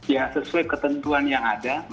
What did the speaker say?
ya sesuai ketentuan yang ada